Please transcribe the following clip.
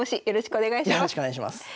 よろしくお願いします。